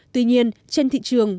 tuy nhiên trên thị trường